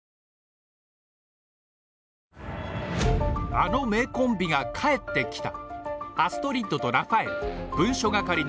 あの名コンビが帰ってきた！